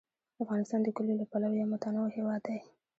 افغانستان د کلیو له پلوه یو متنوع هېواد دی.